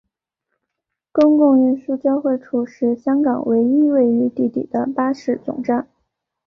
公共运输交汇处是香港唯一位于地底的巴士总站。